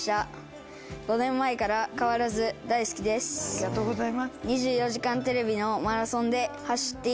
ありがとうございます。